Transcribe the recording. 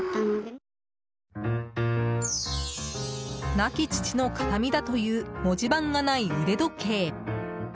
亡き父の形見だという文字盤がない腕時計。